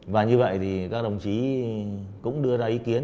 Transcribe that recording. và như vậy thì các đồng chí cũng đưa ra ý kiến